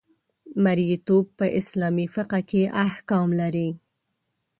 مرییتوب په اسلامي فقه کې احکام لري.